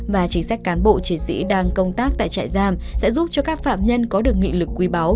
và chính sách cán bộ chiến sĩ đang công tác tại trại giam sẽ giúp cho các phạm nhân có được nghị lực quý báu